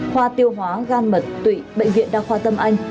khoa tiêu hóa gan mật tụy bệnh viện đa khoa tâm anh